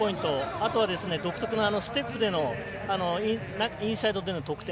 あとは独特なステップでのインサイドでの得点。